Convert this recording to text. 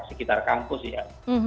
sekitar kampus ya